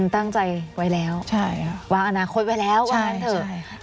ตั้งใจไว้แล้ววางอนาคตไว้แล้ววางงั้นเถอะ